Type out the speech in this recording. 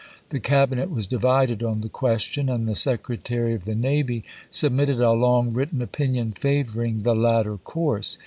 The Cabinet was divided on the question; and the Secretary of the Navy submitted a long written opinion favoring the latter course.